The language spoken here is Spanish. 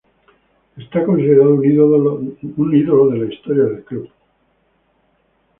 Es considerado un ídolo de la historia del club.